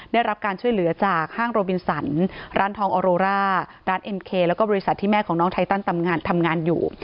ได้รับการช่วยเหลือจากห้างโรบินสันร้านทองออโรร่าร้านเอ็มเคแล้วก็บริษัทที่แม่ของน้องไทตันทำงานอยู่